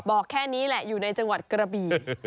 บอกแค่นี้แหละอยู่ในจังหวัดกระบี